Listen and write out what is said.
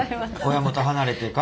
親元離れてか？